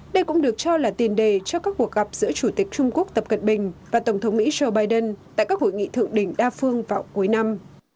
đây cũng được cho là tiền đề cho các cuộc gặp giữa chủ tịch trung quốc tập cận bình và tổng thống mỹ joe biden tại các hội nghị thượng đỉnh đa phương vào cuối năm